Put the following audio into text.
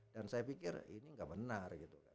dan saya pikir ini gak benar gitu kan